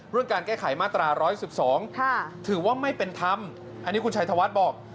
การแก้ไขมาตรา๑๑๒ถือว่าไม่เป็นธรรมอันนี้คุณชัยธวัฒน์บอก